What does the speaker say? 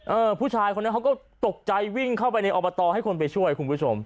ผู้ชายคนนั้นเขาก็ตกใจวิ่งเข้าไปในอบตให้คนไปช่วยคุณผู้ชม